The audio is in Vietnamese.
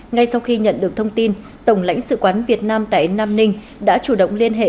ngay sau khi nhận được thông tin tổng lãnh sự quán việt nam tại nam ninh đã chủ động liên hệ